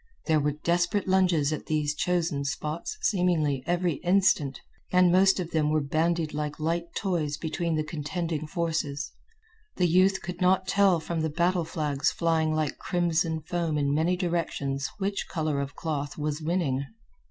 There were desperate lunges at these chosen spots seemingly every instant, and most of them were bandied like light toys between the contending forces. The youth could not tell from the battle flags flying like crimson foam in many directions which color of cloth was winning.